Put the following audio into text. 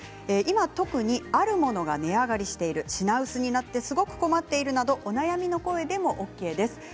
今、特にあるものが値上がりしている、品薄になってすごく困っているなどお悩みの声でもＯＫです。